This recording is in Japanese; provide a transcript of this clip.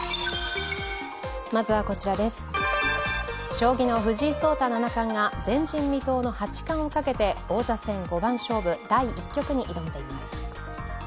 将棋の藤井聡太七冠が前人未到の八冠をかけて王座戦五番勝負第１局に挑んでいます。